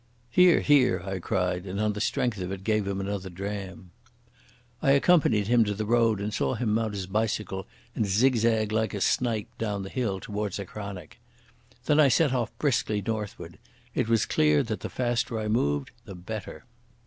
"Hear, hear!" I cried, and on the strength of it gave him another dram. I accompanied him to the road, and saw him mount his bicycle and zig zag like a snipe down the hill towards Achranich. Then I set off briskly northward. It was clear that the faster I moved the better.